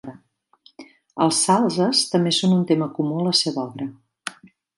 Els salzes també són un tema comú a la seva obra.